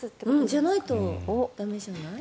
じゃないと駄目じゃない？